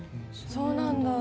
そうなんだ。